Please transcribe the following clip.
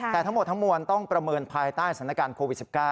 แต่ทั้งหมดทั้งมวลต้องประเมินภายใต้สถานการณ์โควิด๑๙